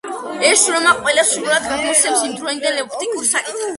ეს შრომა ყველაზე სრულად გადმოსცემს იმდროინდელი ოპტიკურ საკითხებს.